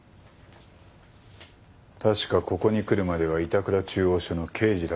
確かここに来るまでは板倉中央署の刑事だったな。